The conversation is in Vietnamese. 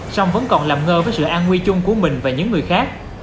song vẫn còn làm ngơ với sự an nguy chung của mình và những người khác